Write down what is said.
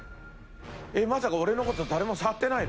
えっまさか俺の事誰も触ってないの？